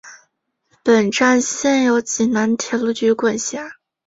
本站现由济南铁路局管辖。